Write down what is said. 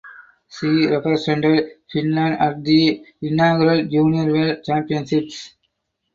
She represented Finland at the inaugural junior World Championships.